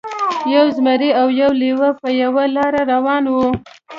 یو زمری او یو لیوه په یوه لاره روان وو.